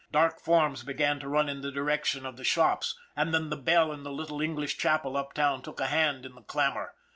Dark forms began to run in the direction of the shops, and then the bell in the little English chapel uptown took a hand in the clamor.